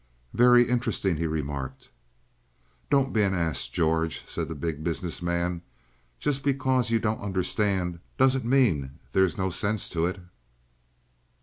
"Very interesting," he remarked. "Don't be an ass, George," said the Big Business Man. "Just because you don't understand, doesn't mean there is no sense to it."